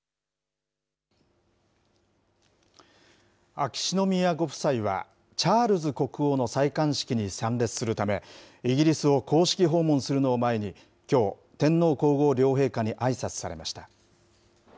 秋篠宮ご夫妻は、チャールズ国王の戴冠式に参列するため、イギリスを公式訪問するのを前に、きょう、天皇皇后両陛下にあいさつされました。